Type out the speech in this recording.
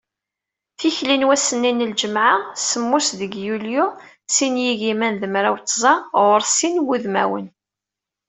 Tikli n wass-nni n lǧemɛa, semmus deg yulyu, sin yigiman d mraw d tẓa, ɣur-s sin n wudmawen.